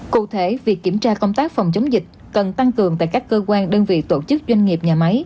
cụ thể việc kiểm tra công tác phòng chống dịch cần tăng cường tại các cơ quan đơn vị tổ chức doanh nghiệp nhà máy